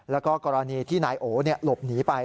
แล้วก็กรณีที่นายโอหลบหนีไป